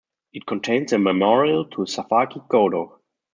It contains a memorial to Sawaki Kodo.